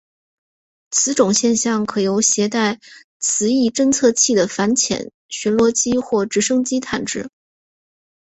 此种现象可由携带磁异侦测器的反潜巡逻机或直升机探知。